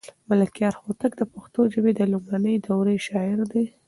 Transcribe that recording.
ملکیار هوتک د پښتو ژبې د لومړنۍ دورې شاعر دی.